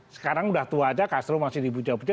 sekarang udah tua aja castro masih di bujau bujau